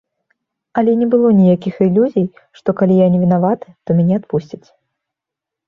Але не было ніякіх ілюзій, што калі я не вінаваты, то мяне адпусцяць.